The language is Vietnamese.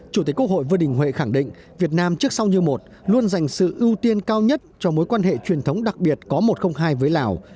chủ tịch quốc hội vương đình huệ khẳng định việt nam trước sau như một luôn dành sự ưu tiên cao nhất cho mối quan hệ truyền thống đặc biệt có một trăm linh hai với lào